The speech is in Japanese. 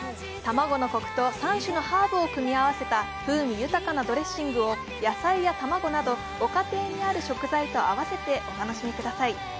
卵のこくと３種のハーブを組み合わせた風味豊かなドレッシングを野菜や卵など御家庭にある食材と合わせてお楽しみください。